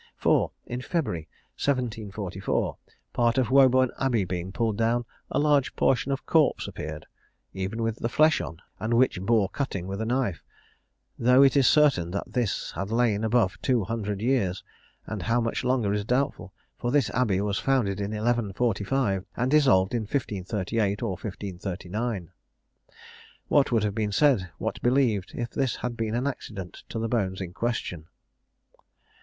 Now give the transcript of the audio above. "4. In February 1744, part of Woburn Abbey being pulled down, a large portion of a corpse appeared, even with the flesh on, and which bore cutting with a knife; though it is certain this had lain above two hundred years, and how much longer is doubtful; for this abbey was founded in 1145, and dissolved in 1538 or 1539. "What would have been said, what believed, if this had been an accident to the bones in question?